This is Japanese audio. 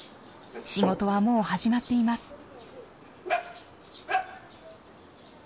仕事はもう始まっています。